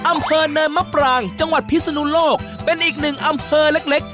อำเภอเนินมะปรางจังหวัดพิศนุโลกเป็นอีกหนึ่งอำเภอเล็กเล็ก